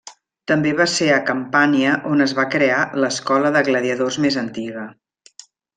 També va ser a Campània on es va crear l'escola de gladiadors més antiga.